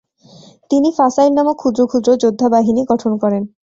তিনি 'ফাসাইল নামক ক্ষুদ্র ক্ষুদ্র যোদ্ধাবাহিনী গঠন করেন।